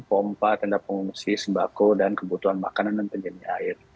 pompa tenda pengungsi sembako dan kebutuhan makanan dan penjamin air